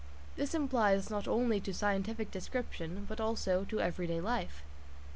This applies not only to scientific description, but also to everyday life.